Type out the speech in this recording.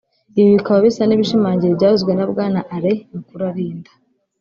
ibi bikaba bisa n’ibishimangira ibyavuzwe na Bwana Alain Mukurarinda